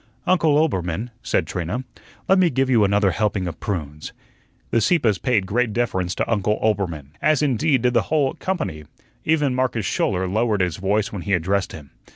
"Uncle Oelbermann," said Trina, "let me give you another helping of prunes." The Sieppes paid great deference to Uncle Oelbermann, as indeed did the whole company. Even Marcus Schouler lowered his voice when he addressed him.